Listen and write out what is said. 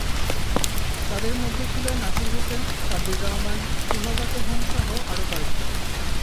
তাদের মধ্যে ছিল নাসির হোসেন, সাব্বির রহমান, শুভাগত হোমসহ আরও কয়েকজন।